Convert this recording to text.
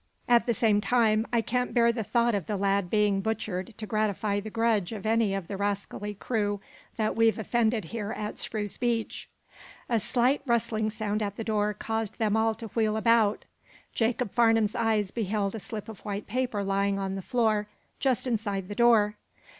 "At the same time, I can't bear the thought of the lad being butchered to gratify the grudge of any of the rascally crew that we've offended here at Spruce Beach." A slight, rustling sound at the door caused them all to wheel about. Jacob Farnum's eyes beheld a slip of white paper lying on the floor, just inside the door.